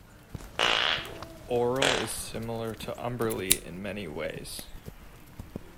Auril is similar to Umberlee in many ways.